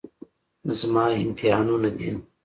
زما امتحانونه دي.